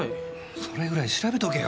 それぐらい調べとけよ。